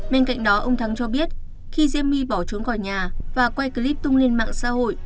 bên cạnh đó ông thắng cho biết khi diêm my bỏ trốn khỏi nhà và quay clip tung lên mạng xã hội